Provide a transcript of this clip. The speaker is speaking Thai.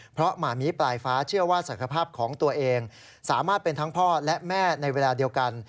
เพราะหมามีปลายฟ้าเชื่อว่าศักยภาพของตัวเองสามารถเป็นทั้งพ่อและแม่ในเวลาเดียวกัน